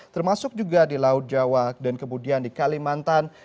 termasuk juga di laut jawa dan kemudian di kalimantan